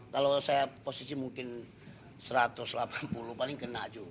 kalau saya posisi mungkin satu ratus delapan puluh paling kena juga